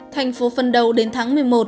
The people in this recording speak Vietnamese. tp hcm đến tháng một mươi một